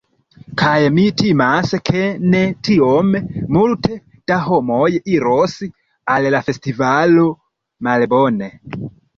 Kaj mi timas ke ne tiom multe da homoj iros al la festivalo. Malbone!